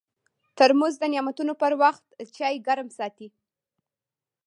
ترموز د نعتونو پر وخت چای ګرم ساتي.